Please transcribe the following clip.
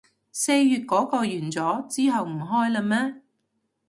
四月嗰個完咗，之後唔開喇咩